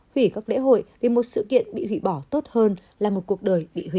hủy các lễ hội vì một sự kiện bị hủy bỏ tốt hơn là một cuộc đời bị hủy